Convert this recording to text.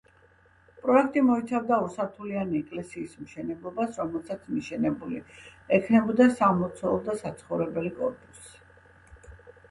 პროექტი მოიცავდა ორსართულიანი ეკლესიის მშენებლობას, რომელსაც მიშენებული ექნებოდა სამლოცველო და საცხოვრებელი კორპუსი.